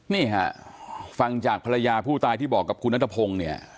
นี่ค่ะฟังจากภรรยาผู้ตายที่บอกกับคุณนัทพงศ์เนี่ย